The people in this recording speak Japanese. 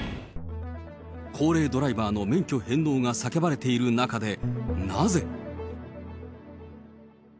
高齢ドライバーの免許返納が叫ばれている中で、なぜ？